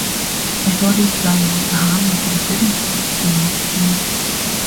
"I thought he'd fly off the handle, but he didn't," Jones said.